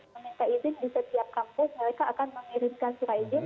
meminta izin di setiap kampus mereka akan mengirimkan surat izin